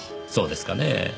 そうですかねぇ？